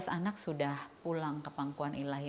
tujuh belas anak sudah pulang ke pangkuan ilahi